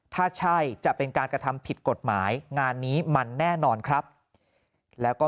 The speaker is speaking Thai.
ถ้าใช่จะเป็นการกระทำผิดกฎหมายงานนี้มันแน่นอนครับแล้วก็